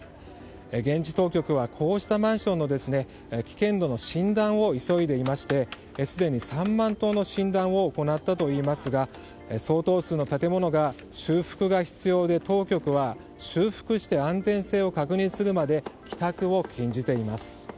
現地当局はこうしたマンションの危険度の診断を急いでいましてすでに３万棟の診断を行ったといいますが相当数の建物が修復が必要で当局は修復して安全性を確認するまで帰宅を禁じています。